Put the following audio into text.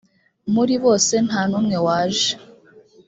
muribose ntanumwe waje.